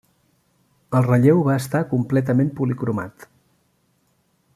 El relleu va estar completament policromat.